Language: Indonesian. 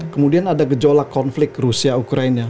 kemudian ada gejolak konflik rusia ukraine ya